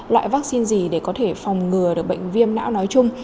loại vắc xin gì để có thể phòng ngừa được bệnh viêm não nói chung